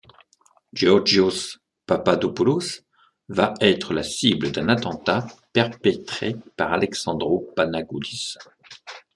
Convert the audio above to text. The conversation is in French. Geórgios Papadópoulos va être la cible d'un attentat perpétré par Aléxandros Panagoúlis.